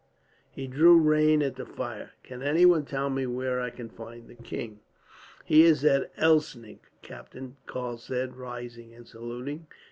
He drew rein at the fire. "Can anyone tell me where I can find the king?" "He is at Elsnig, captain," Karl said, rising and saluting.